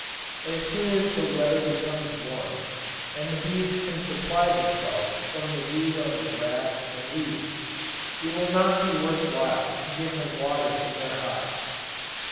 As soon as the weather becomes warm, and the bees can supply themselves from the dew on the grass and leaves, it will not be worth while to give them water in their hives.